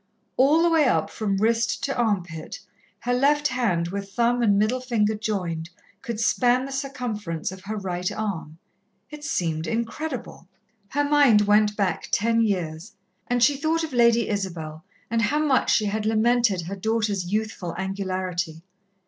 All the way up from wrist to armpit, her left hand, with thumb and middle finger joined, could span the circumference of her right arm. It seemed incredible. Her mind went back ten years, and she thought of Lady Isabel, and how much she had lamented her daughter's youthful angularity.